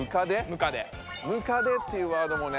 「ムカデ」っていうワードもね